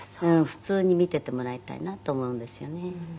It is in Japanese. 「普通に見ててもらいたいなと思うんですよね」